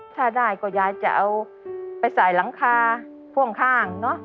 ถ้าได้ก็ยายจะเอาไปใส่หลังคาพ่วงข้างเนอะ